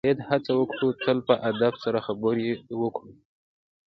باید هڅه وکړو تل په ادب سره خبرې وکړو.